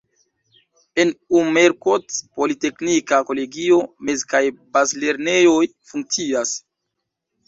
En Umerkot politeknika kolegio, mez- kaj bazlernejoj funkcias.